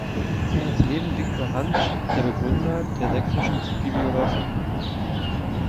Er ist neben Viktor Hantzsch der Begründer der Sächsischen Bibliographie.